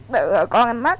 bây giờ con em mất